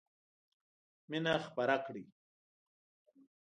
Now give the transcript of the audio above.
مينه خپره کړئ.